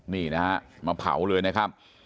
นี่นะฮะมาเผาเลยนะครับ